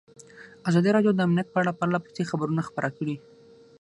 ازادي راډیو د امنیت په اړه پرله پسې خبرونه خپاره کړي.